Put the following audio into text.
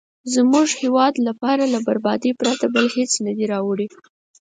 زموږ هیواد لپاره له بربادۍ پرته بل هېڅ نه دي راوړي.